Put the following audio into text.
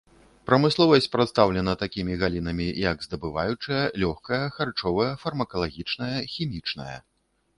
Прамысловасць прадстаўлена такімі галінамі, як здабываючая, лёгкая, харчовая, фармакалагічная, хімічная.